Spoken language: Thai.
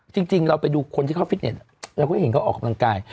จริงเราไปดูคนที่เขาฟิตเน็ตเราก็เห็นเขาออกกำลังกาย